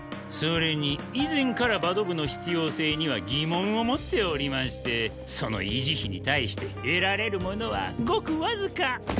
それに以前からバド部の必要性には疑問を持っておりましてその維持費に対して得られるものはごくわずか。